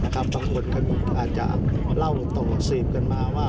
บางคนอาจจะเล่าต่อสืบกันมาว่า